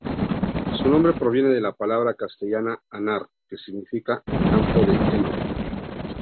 Su nombre proviene de la palabra castellana "henar", que significa "campo de heno".